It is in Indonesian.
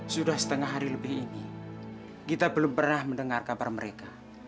sudah setengah hari lebih ini kita belum pernah mendengar kabar mereka